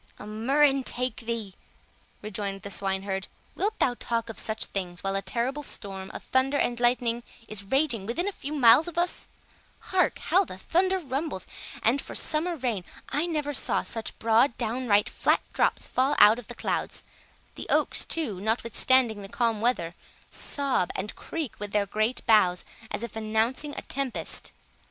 "A murrain take thee," rejoined the swine herd; "wilt thou talk of such things, while a terrible storm of thunder and lightning is raging within a few miles of us? Hark, how the thunder rumbles! and for summer rain, I never saw such broad downright flat drops fall out of the clouds; the oaks, too, notwithstanding the calm weather, sob and creak with their great boughs as if announcing a tempest.